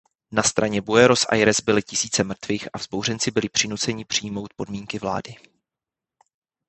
Na straně Buenos Aires byly tisíce mrtvých a vzbouřenci byli přinuceni přijmout podmínky vlády.